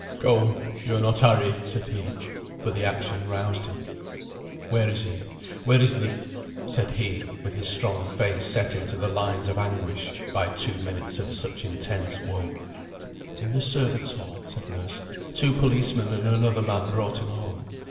"Go! you are not Harry," said he; but the action roused him. "Where is he? where is the " said he, with his strong face set into the lines of anguish, by two minutes of such intense woe. "In the servants' hall," said nurse. "Two policemen and another man brought him home.